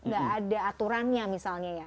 gak ada aturannya misalnya ya